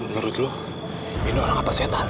menurut lu ini orang apa setan